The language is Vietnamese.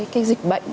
cái dịch bệnh